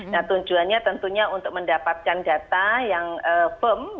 nah tujuannya tentunya untuk mendapatkan data yang firm